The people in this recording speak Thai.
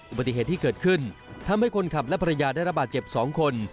อุบัติเหตุที่เกิดขึ้นทำให้คนขับและภรรยาได้ระบาดเจ็บ๒คน